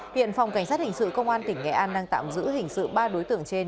hiện phòng cảnh sát hình sự công an tỉnh nghệ an đang tạm giữ hình sự ba đối tượng trên